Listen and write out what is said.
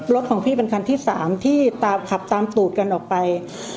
รถของพี่เป็นคันที่๓ที่ขับตามตูดกันออกไป